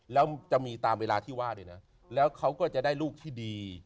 แล้วจะมีตามเวลาที่ว่าด้วยนะแล้วเขาก็จะได้ลูกที่ดี